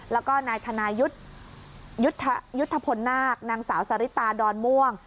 แล้วก็นายธนายุทธพลนาคนางสาวสริตาดอนม่วง